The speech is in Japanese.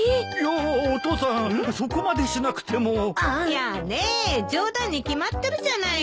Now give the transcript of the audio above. やね冗談に決まってるじゃないの。